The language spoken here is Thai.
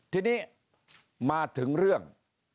ทีนี้มาถึงเรื่อง